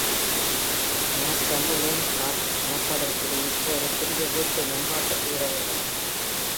Northumberland park எனப்படும் இது இப்போது புதிய வீட்டு மேம்பாட்டுக்கு உதவுகிறது.